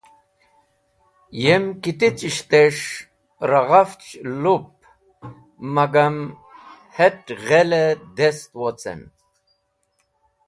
Yem kitichishtes̃h ra ghafch lup magam het̃ ghel-e dest wocen.